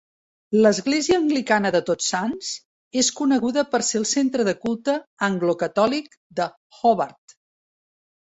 L'església anglicana de Tots Sants és coneguda per ser el centre de culte anglo-catòlic de Hobart.